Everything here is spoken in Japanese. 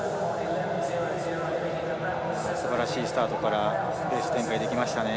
すばらしいスタートからレース展開できましたね。